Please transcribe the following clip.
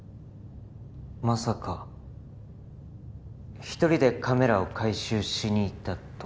まさか一人でカメラを回収しに行ったとか？